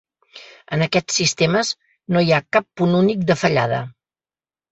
En aquests sistemes no hi ha cap punt únic de fallada.